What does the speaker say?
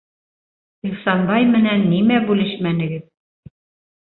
Ихсанбай менән нимә бүлешмәнегеҙ?